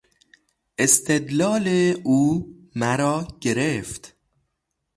استدلال او مرا گرفت.